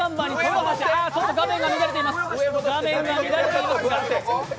画面が乱れていますが。